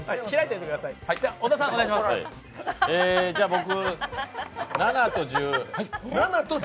僕、７と１０。